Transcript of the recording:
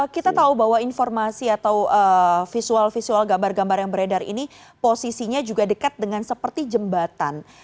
kita tahu bahwa informasi atau visual visual gambar gambar yang beredar ini posisinya juga dekat dengan seperti jembatan